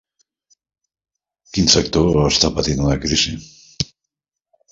Quin sector està patint una crisi?